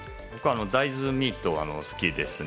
大豆ミート、好きですね。